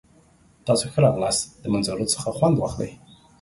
تاسو ښه راغلاست. د منظرو څخه خوند واخلئ!